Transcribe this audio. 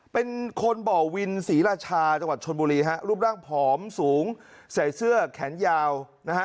เป็นคนบ่อวินศรีราชาจังหวัดชนบุรีฮะรูปร่างผอมสูงใส่เสื้อแขนยาวนะฮะ